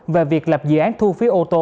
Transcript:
về việc lập dự án thu phí ô tô